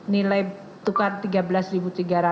nilai tukar rp tiga belas tiga ratus